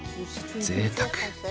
ぜいたく！